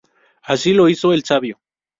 Así lo hizo el sabio.